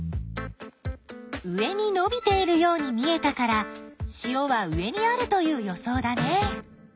上にのびているように見えたから塩は上にあるという予想だね。